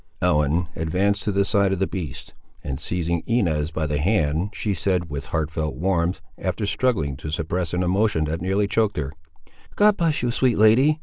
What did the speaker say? Ellen advanced to the side of the beast, and seizing Inez by the hand, she said, with heartfelt warmth, after struggling to suppress an emotion that nearly choked her— "God bless you, sweet lady!